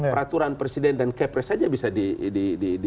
peraturan presiden dan kprs saja bisa diakses